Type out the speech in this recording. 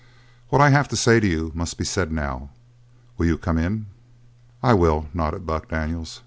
"What I have to say to you must be said now. Will you come in?" "I will," nodded Buck Daniels.